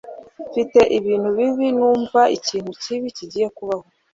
Mfite ibintu bibi numva ikintu kibi kigiye kubaho